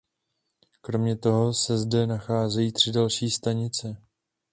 Kromě toho se zde nacházejí tři další stanice.